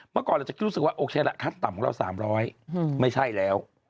เมื่อก่อนเราจะรู้สึกว่าโอเคละค่าต่ำของเรา๓๐๐